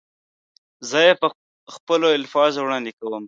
زه یې په خپلو الفاظو وړاندې کوم.